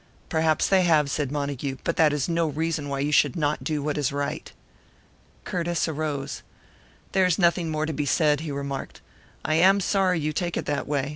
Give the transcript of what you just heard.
"Perhaps they have," said Montague; "but that is no reason why you should not do what is right." Curtiss arose. "There is nothing more to be said," he remarked. "I am sorry you take it that way.